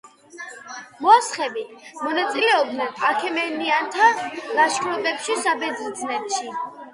მოსხები მონაწილეობდნენ აქემენიანთა ლაშქრობებში საბერძნეთში.